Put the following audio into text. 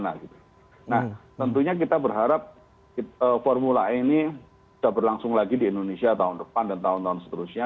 nah tentunya kita berharap formula e ini sudah berlangsung lagi di indonesia tahun depan dan tahun tahun seterusnya